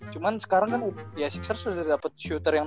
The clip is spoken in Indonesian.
cuman sekarang kan ya sixers udah dapet shooter yang